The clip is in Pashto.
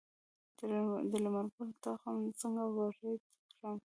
د لمر ګل تخم څنګه وریت کړم؟